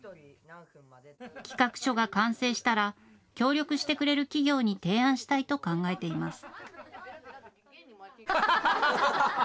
企画書が完成したら協力してくれる企業に提案したいと考えています。